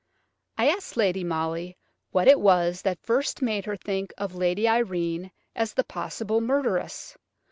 I asked Lady Molly what it was that first made her think of Lady Irene as the possible murderess.